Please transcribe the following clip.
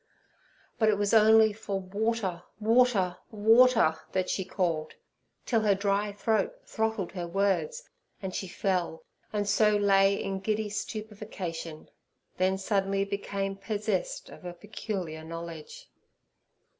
But it was only for 'Water, water, water!' that she called, till her dry throat throttled her words, and she fell, and so lay in giddy stupefaction, then suddenly became possessed of a peculiar knowledge.